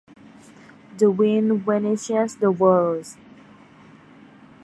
The wind vanishes the words.